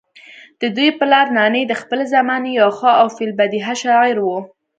ددوي پلار نانے د خپلې زمانې يو ښۀ او في البديهه شاعر وو